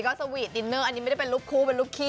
ก็สวีทดินเนอร์อันนี้ไม่ได้เป็นรูปคู่เป็นลูกขี้